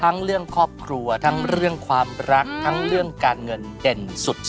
ทั้งเรื่องครอบครัวทั้งเรื่องความรักทั้งเรื่องการเงินเด่นสุด